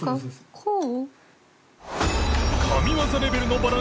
こう？